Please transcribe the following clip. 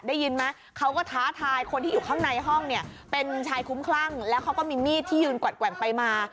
ได้ยินไหมเขาก็ท้าทายคนที่อยู่ข้างในห้องเนี่ยเป็นชายคุ้มคลั่งแล้วเขาก็มีมีดที่ยืนกวัดแกว่งไปมา